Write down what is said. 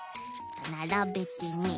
ならべてね。